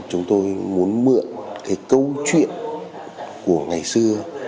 chúng tôi muốn mượn cái câu chuyện của ngày xưa